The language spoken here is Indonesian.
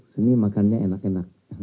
sini makannya enak enak